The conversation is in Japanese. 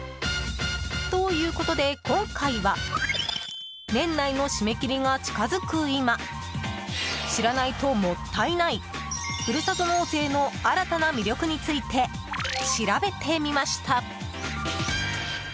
ということで今回は年内の締め切りが近づく今知らないともったいないふるさと納税の新たな魅力について調べてみました。